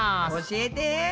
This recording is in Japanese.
教えて。